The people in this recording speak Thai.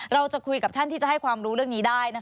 เราจะคุยกับท่านที่จะให้ความรู้เรื่องนี้ได้